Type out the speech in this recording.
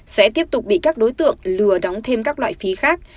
sẽ tiếp tục bị các đối tượng lừa đóng thêm các loại phí khác